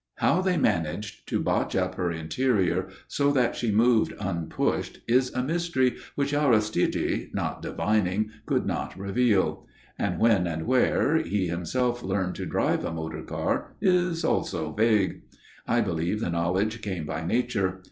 How they managed to botch up her interior so that she moved unpushed is a mystery which Aristide, not divining, could not reveal; and when and where he himself learned to drive a motor car is also vague. I believe the knowledge came by nature.